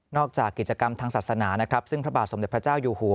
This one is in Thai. จากกิจกรรมทางศาสนานะครับซึ่งพระบาทสมเด็จพระเจ้าอยู่หัว